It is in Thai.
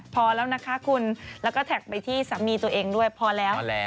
พอแล้วนะคะคุณแล้วก็แท็กไปที่สามีตัวเองด้วยพอแล้ว